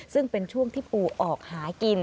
ซึ่งเป็นช่วงที่ปูออกหากิน